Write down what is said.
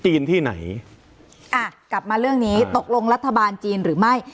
ที่ไหนอ่ะกลับมาเรื่องนี้ตกลงรัฐบาลจีนหรือไม่